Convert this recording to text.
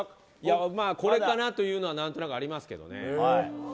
これかなというのは何となくありますけどね。